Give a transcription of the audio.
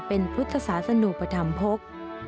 เป็นพุทธศาสนุปธรรมภก